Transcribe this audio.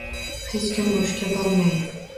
Hech kim urushga bormaydi.